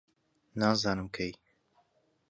نازانم کەی